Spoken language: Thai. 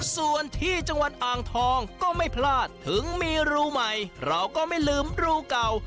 ส่วนที่จังหวัดอ่างทองก็ไม่พลาดถึงมีรูใหม่เราก็ไม่ลืมรูเก่า